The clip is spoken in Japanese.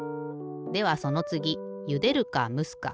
ではそのつぎゆでるかむすか。